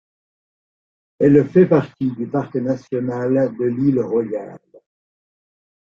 Elle fait partie du Parc national de l'Isle Royale.